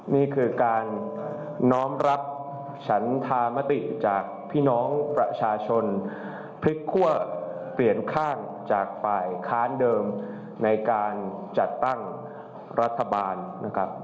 นี่คือการน้อมรับฉันธามติจากพี่น้องประชาชนพลิกคั่วเปลี่ยนข้างจากฝ่ายค้านเดิมในการจัดตั้งรัฐบาลนะครับ